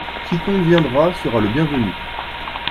Quiconque viendra sera le bienvenu.